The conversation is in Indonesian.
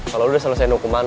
kalau lo udah selesain hukuman